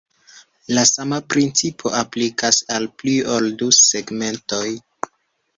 La sama principo aplikas al pli ol du segmentoj.